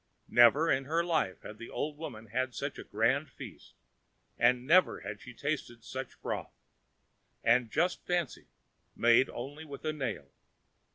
Never in her life had the old woman had such a grand feast, and never had she tasted such broth, and just fancy, made only with a nail!